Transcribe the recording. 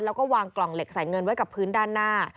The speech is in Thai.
แล้วก็วางกล่องเหล็กใส่เงินไว้กับพื้นด้านหน้า